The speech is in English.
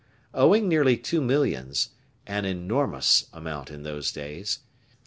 Owing nearly two millions an enormous amount in those days M.